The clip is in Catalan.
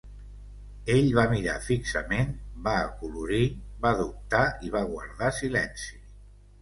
Ell va mirar fixament, va acolorir, va dubtar i va guardar silenci.